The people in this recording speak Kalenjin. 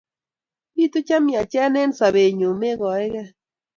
Pitu chemyachen eng' sobenyu megoike.